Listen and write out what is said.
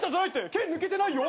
剣抜けてないよ！